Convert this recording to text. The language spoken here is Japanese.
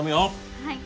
はい。